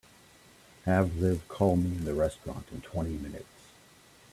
Have Liv call me in the restaurant in twenty minutes.